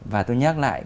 và tôi nhắc lại